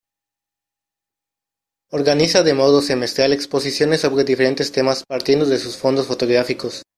Organiza de modo semestral exposiciones sobre diferentes temas partiendo de sus fondos fotográficos.